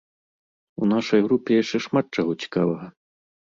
У нашай групе яшчэ шмат чаго цікавага.